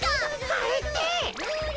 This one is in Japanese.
あれって？